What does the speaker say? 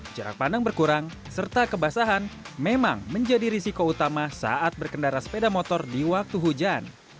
jarak pandang berkurang serta kebasahan memang menjadi risiko utama saat berkendara sepeda motor di waktu hujan